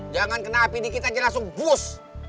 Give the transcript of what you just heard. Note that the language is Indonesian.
jangan kena api dikit aja langsung bus